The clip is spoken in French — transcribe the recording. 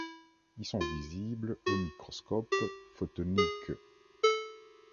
Ils sont visibles au microscope photonique.